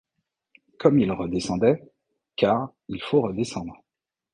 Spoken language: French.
Comme il redescendait — car il faut redescendre ;